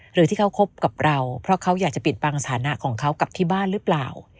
หรือที่เขาคบกับเราเพราะเขาอยากจะปิดบังสถานะของเขากลับที่บ้านหรือเปล่า